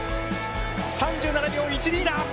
３７秒１２だ。